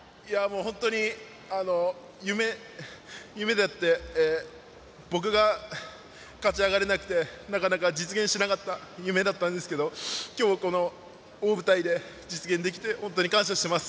本当に夢で僕が勝ち上がれなくてなかなか実現しなかった夢だったんですけど今日、この大舞台で実現できて感謝しています。